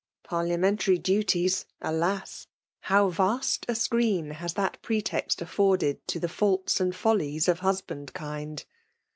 . (Parliamentary duties! — alas! how vast ja screen has that preteict afforded to the faulta aad follies of husband kind